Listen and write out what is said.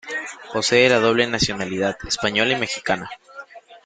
Posee la doble nacionalidad Española y Mexicana.